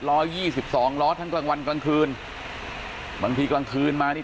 ยี่สิบสองล้อทั้งกลางวันกลางคืนบางทีกลางคืนมานี่